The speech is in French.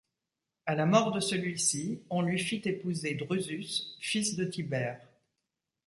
À la mort de celui-ci, on lui fit épouser Drusus, fils de Tibère.